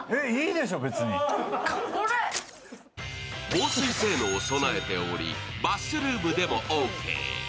防水性能を備えており、バスルームでもオーケー。